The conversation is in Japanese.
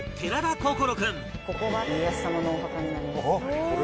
ここが家康様のお墓になります。